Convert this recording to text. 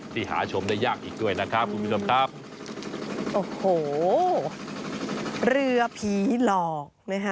หาชมได้ยากอีกด้วยนะครับคุณผู้ชมครับโอ้โหเรือผีหลอกนะฮะ